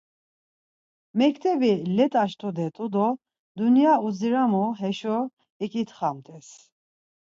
Mektebi let̆aş tude t̆u do dunya udziramu heşo iǩitxamt̆es.